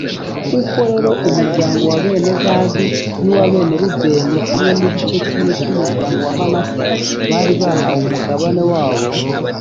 koko rero, umuryango wa bene gadi n’uwa bene rubeni hamwe n’igice kimwe cy’umuryango wa manase, bari bahawe umugabane wabo.